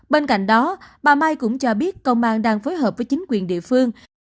bên cạnh đó bà mai cũng cho biết công an đang phối hợp với chính quyền địa phương